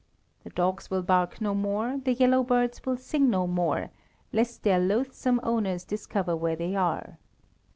The dogs will bark no more, the yellow birds will sing no more, lest their loathsome owners discover where they are.